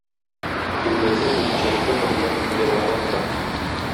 Гөмбәзе үзенчәлекле полимер материаллардан тора.